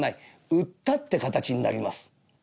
売ったって形になります」。